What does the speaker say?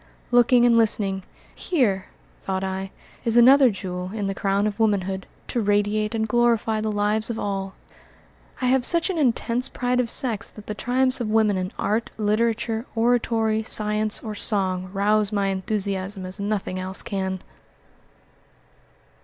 Looking and listening, "Here," thought I, "is another jewel in the crown of womanhood, to radiate and glorify the lives of all." I have such an intense pride of sex that the triumphs of woman in art, literature, oratory, science, or song rouse my enthusiasm as nothing else can.